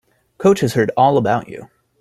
Coach has heard all about you.